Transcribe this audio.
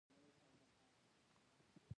آیا د ګازو موټرې په افغانستان کې شته؟